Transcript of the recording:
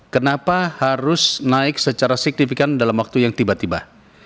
kenapa harus naik secara signifikan dalam waktu yang tiba tiba